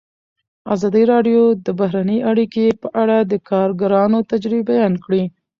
ازادي راډیو د بهرنۍ اړیکې په اړه د کارګرانو تجربې بیان کړي.